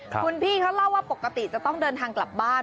คุณพี่เขาเล่าว่าปกติจะต้องเดินทางกลับบ้าน